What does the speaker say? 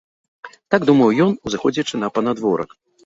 Так думаў ён, узыходзячы на панадворак.